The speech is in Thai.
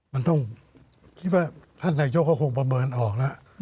มันต้องคิดว่าท่านนายกก็คงประเมินออกแล้ว